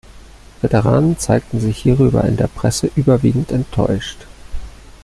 Veteranen zeigten sich hierüber in der Presse überwiegend enttäuscht.